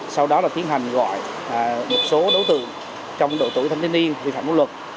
sau đó là tiến hành gọi một số đối tượng trong đội tủi thanh thiên niên vi phạm vũ luật